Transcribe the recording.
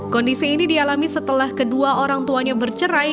kondisi ini dialami setelah kedua orang tuanya bercerai